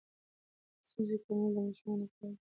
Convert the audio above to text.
ستونزې کمول د ماشومانو د پلار دنده ده.